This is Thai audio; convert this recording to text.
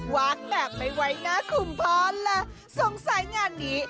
วากแบบไม่ไหวนะคุณพอล่ะสงสัยงานนี้